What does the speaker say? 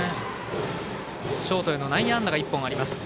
ショートへの内野安打が１本あります。